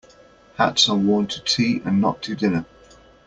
Hats are worn to tea and not to dinner.